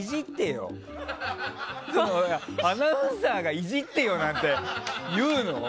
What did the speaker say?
アナウンサーがいじってよなんて言うの？